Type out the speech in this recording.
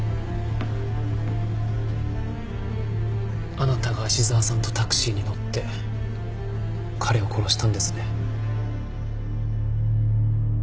あなたが芦沢さんとタクシーに乗って彼を殺したんですね。